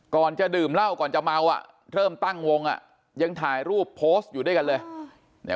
ก่อนจะดื่มเหล้าก่อนจะเมาอ่ะเริ่มตั้งวงอ่ะยังถ่ายรูปโพสต์อยู่ด้วยกันเลย